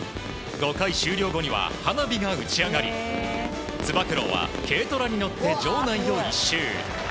５回終了後には花火が打ち上がりつば九郎は軽トラに乗って場内を１周。